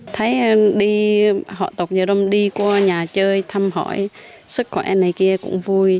thấy họ tộc dơ râm đi qua nhà chơi thăm hỏi sức khỏe này kia cũng vui